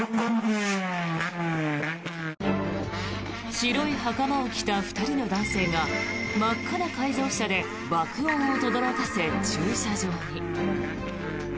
白い袴を着た２人の男性が真っ赤な改造車で爆音をとどろかせ、駐車場に。